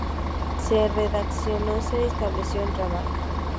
Se redacción se estableció en Rabat.